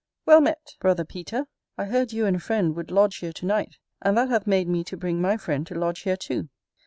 Well met, brother Peter! I heard you and a friend would lodge here to night; and that hath made me to bring my friend to lodge here too.